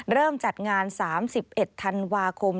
เริ่มจัดงาน๓๑ธันวาคม